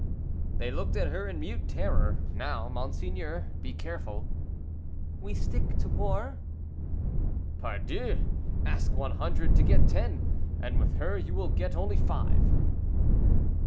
"They looked at her in mute terror; now, monseigneur, be careful." "We stick to war?" "Pardieu, ask one hundred to get ten, and with her you will only get five."